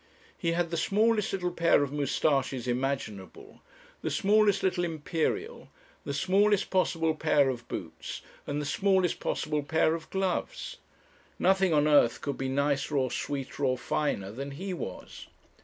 He had the smallest little pair of moustaches imaginable, the smallest little imperial, the smallest possible pair of boots, and the smallest possible pair of gloves. Nothing on earth could be nicer, or sweeter, or finer, than he was.